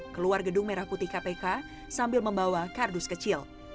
keluar gedung merah putih kpk sambil membawa kardus kecil